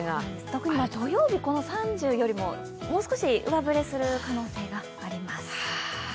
特に土曜日、３０よりももう少し上振れする可能性があります。